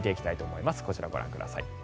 こちらご覧ください。